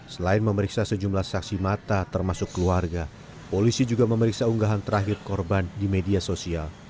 selain memeriksa sejumlah saksi mata termasuk keluarga polisi juga memeriksa unggahan terakhir korban di media sosial